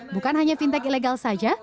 bukan hanya fintech ilegal saja